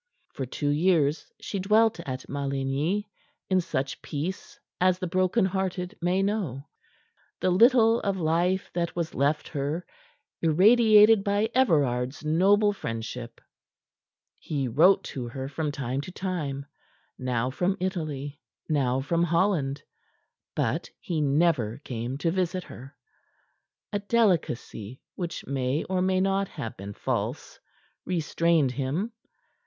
For two years she dwelt at Maligny in such peace as the broken hearted may know, the little of life that was left her irradiated by Everard's noble friendship. He wrote to her from time to time, now from Italy, now from Holland. But he never came to visit her. A delicacy, which may or may not have been false, restrained him.